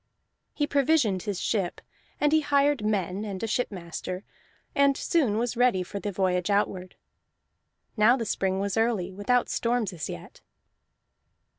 He provisioned his ship, and he hired men and a shipmaster, and soon was ready for the voyage outward. Now the spring was early, without storms as yet.